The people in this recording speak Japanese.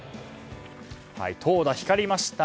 投打光りました。